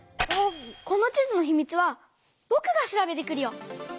この地図のひみつはぼくが調べてくるよ！